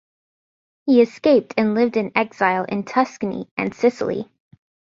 He escaped and lived in exile in Tuscany and Sicily.